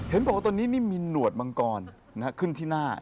เห็นป่ะว่าตอนนี้มีหนวดมังกรนะครับขึ้นที่หน้า